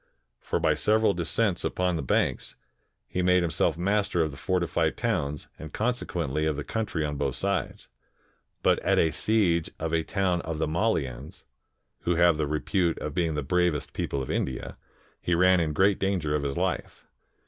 For by several descents upon the banks, he made himself master of the fortified towns, and consequently of the country on both sides. But at a siege of a town of the Mallians, who have the repute of being the bravest people of India, he ran in great danger of his life.